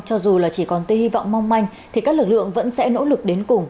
cho dù chỉ còn tên hy vọng mong manh thì các lực lượng vẫn sẽ nỗ lực đến cùng